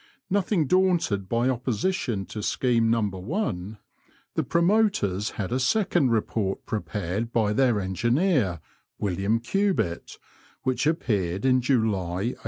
Nothing daunted by opposition to scheme No. 1, the promoters had a second report prepared by their engineer, "William Cubitt, which appeared in July, 1820.